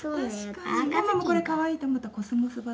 ママもこれかわいいと思った「コスモス畑」